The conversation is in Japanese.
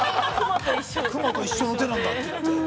熊と一緒の手なんだって。